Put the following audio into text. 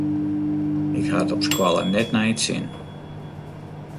Ik ha it op skoalle net nei it sin.